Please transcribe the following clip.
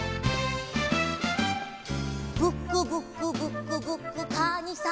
「ブクブクブクブクかにさんあるき」